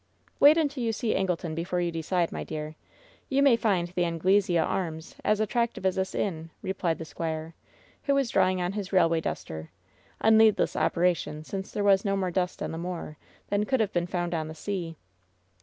"Wait until you see Angleton before you decide, my dear. You may find the ^Anglesea Arms' as attractive as this inn," replied the squire, who was drawing on his railway duster — a needless operation, since there was no more dust on the moor than could have been found on the sea.